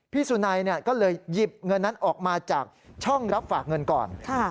สุนัยก็เลยหยิบเงินนั้นออกมาจากช่องรับฝากเงินก่อน